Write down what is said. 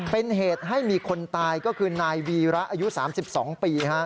เป็นเหตุให้มีคนตายก็คือนายวีระอายุ๓๒ปี